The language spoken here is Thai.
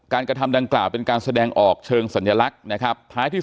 กระทำดังกล่าวเป็นการแสดงออกเชิงสัญลักษณ์นะครับท้ายที่สุด